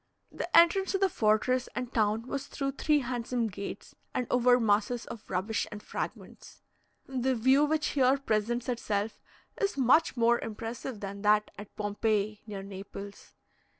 The entrance to the fortress and town was through three handsome gates, and over masses of rubbish and fragments. The view which here presents itself is much more impressive than that at Pompeii, near Naples.